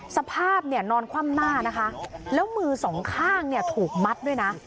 สภาพนอนคว่ำหน้านะคะแล้วมือสองข้างถูกมัดด้วยนะ